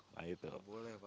tidak boleh pak